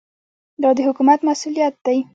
دا د حکومت مسوولیت دی.